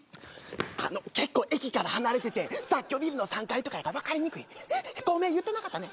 あの結構駅から離れてて雑居ビルの３階とかやから分かりにくいごめん言ってなかったね